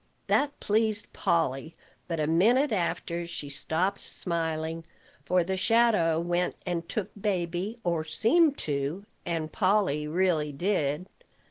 That pleased Polly; but, a minute after, she stopped smiling, for the shadow went and took baby, or seemed to, and Polly really did.